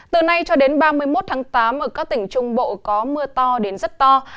từ nay cho đến ba mươi một tháng tám ở các tỉnh trung bộ có mưa to đến rất to